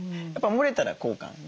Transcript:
やっぱもれたら交換。